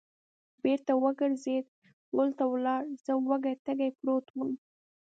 بېرته و ګرځېد، پل ته ولاړ، زه وږی تږی پروت ووم.